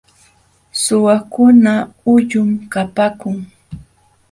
Suwakuna huyum kapaakun.